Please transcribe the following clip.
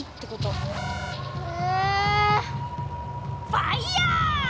ファイヤー！